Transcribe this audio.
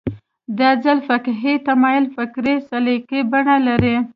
دا ځل فقهي تمایل فکري سلیقې بڼه لري